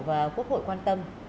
và quốc hội quan tâm